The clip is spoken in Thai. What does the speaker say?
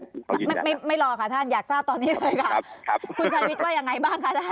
คุณชายวิทย์ว่ายังไงบ้างค่ะท่าน